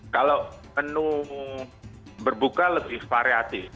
kalau menu berbuka lebih variatif